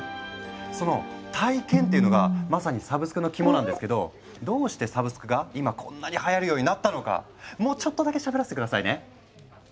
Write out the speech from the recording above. その体験っていうのがまさにサブスクの肝なんですけどどうしてサブスクが今こんなにはやるようになったのかもうちょっとだけしゃべらせて下さいね。